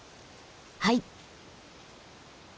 はい！